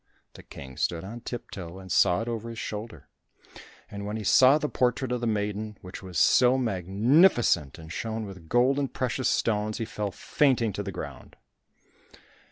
The King stood on tip toe and saw it over his shoulder. And when he saw the portrait of the maiden, which was so magnificent and shone with gold and precious stones, he fell fainting to the ground.